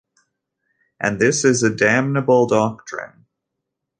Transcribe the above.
And this is a damnable doctrine.